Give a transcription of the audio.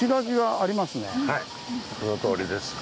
はいそのとおりです。